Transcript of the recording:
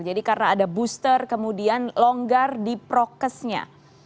jadi karena ada booster kemudian longgar di prokesnya